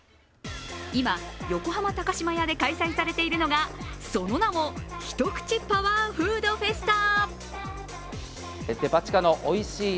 今、横浜高島屋で開催されているのが、その名もひとくちパワーフードフェスタ。